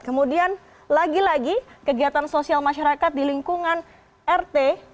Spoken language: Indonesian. kemudian lagi lagi kegiatan sosial masyarakat di lingkungan rt